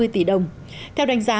ba trăm năm mươi tỷ đồng theo đánh giá